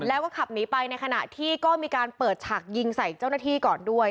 แล้วก็ขับหนีไปในขณะที่ก็มีการเปิดฉากยิงใส่เจ้าหน้าที่ก่อนด้วย